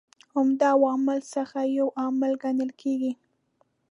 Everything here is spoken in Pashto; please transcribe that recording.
عمده عواملو څخه یو عامل کڼل کیږي.